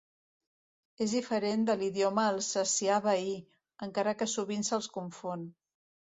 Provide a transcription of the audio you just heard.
És diferent de l'idioma alsacià veí, encara que sovint se'ls confon.